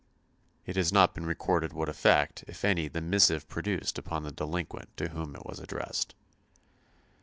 It has not been recorded what effect, if any, the missive produced upon the delinquent to whom it was addressed.